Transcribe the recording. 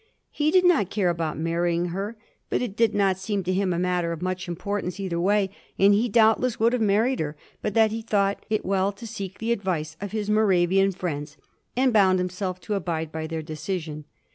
He did not care about mariying her, but it did not seem to him a matter of much importance either way, and he doubtless would have married her but that he thought it well to seek the advice of his Moravian friends, and bound himself to abide by their decision.